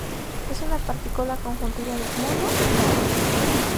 Es una partícula conjuntiva de "mono" y "nara".